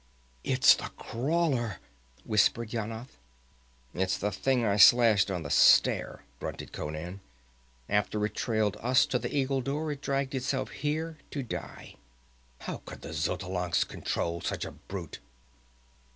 "It is the Crawler!" whispered Yanath. "It's the thing I slashed on the stair," grunted Conan. "After it trailed us to the Eagle Door, it dragged itself here to die. How could the Xotalancas control such a brute?"